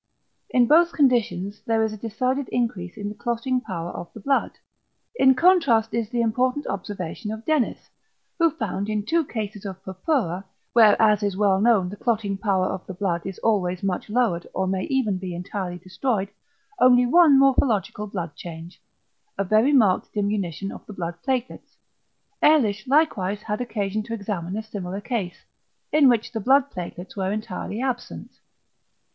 In both conditions there is a decided =increase in the clotting power of the blood=. In contrast, is the important observation of Denys, who found in two cases of purpura, where as is well known the =clotting power of the blood is always much lowered= or may even be entirely destroyed, only one morphological blood change, a very marked =diminution of the blood platelets=. Ehrlich likewise had occasion to examine a similar case, in which the blood platelets were entirely absent.